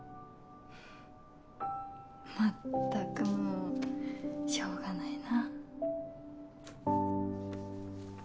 まったくもうしょうがないな。